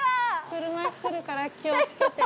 車来るから気をつけて。